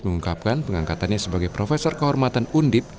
mengungkapkan pengangkatannya sebagai profesor kehormatan undip